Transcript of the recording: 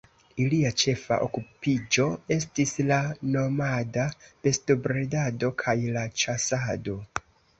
Ilia ĉefa okupiĝo estis la nomada bestobredado kaj la ĉasado.